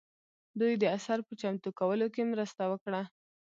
دوی د اثر په چمتو کولو کې مرسته وکړه.